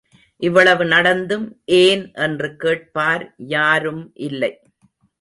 இவ்வளவு நடந்தும் ஏன் என்று கேட்பார் யாரும் இல்லை.